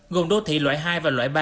gồm đô thị loại hai và loại ba